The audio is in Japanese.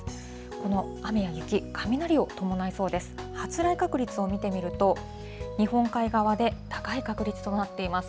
この雨や雪、雷を伴いそうです。